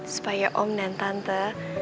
supaya om dan tante